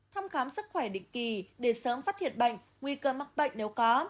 thăm khám sức khỏe định kỳ để sớm phát hiện bệnh nguy cơ mắc bệnh nếu có